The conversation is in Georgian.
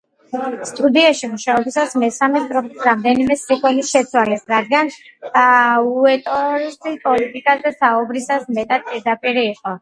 სტუდიაში მუშაობისას მესამე სტროფის რამდენიმე სტრიქონი შეცვალეს, რადგან უოტერსი პოლიტიკაზე საუბრისას მეტად პირდაპირი იყო.